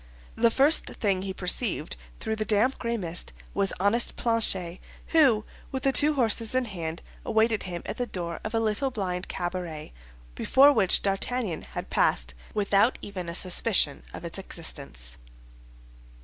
The first thing he perceived through the damp gray mist was honest Planchet, who, with the two horses in hand, awaited him at the door of a little blind cabaret, before which D'Artagnan had passed without even a suspicion of its existence.